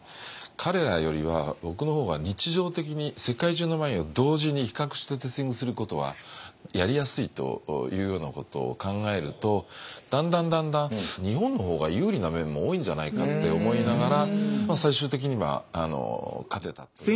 彼らよりは僕の方が日常的に世界中のワインを同時に比較してテイスティングすることはやりやすいというようなことを考えるとだんだんだんだん日本の方が有利な面も多いんじゃないかって思いながら最終的には勝てたという。